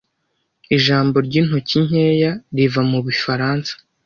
Ijambo ryintoki nkeya riva mubifaransa